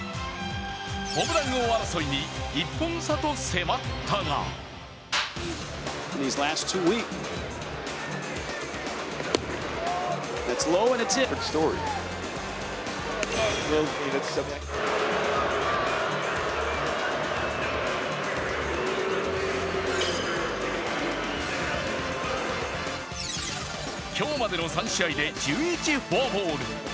ホームラン王争いに１本差と迫ったが今日までの３試合で１１フォアボール。